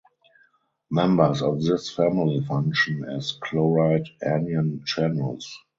Members of this family function as chloride anion channels.